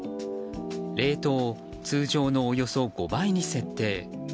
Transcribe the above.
レートを通常のおよそ５倍に設定。